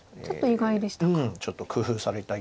ちょっと意外でしたか。